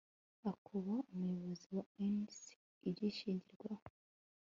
a Kuba umuyobozi wa NC Ibishingirwaho